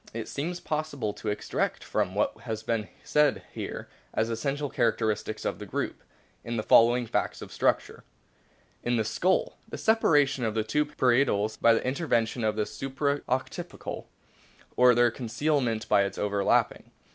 It seems possible to extract from what has been said here, as essential characteristics of the group, the following facts of structure : In the Skull. The separation of the two parietals by the intervention of the supra occipital, or their concealment by its overlapping.